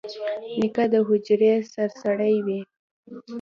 نیکه د حجرې سرسړی وي.